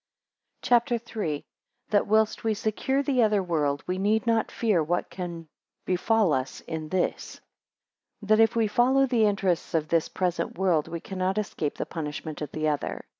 CHAPTER III. 1 That, whilst we secure the other world, we need not fear what can befall its in this. 5 That, if we follow the interests of this present world, we cannot escape the punishment of the other.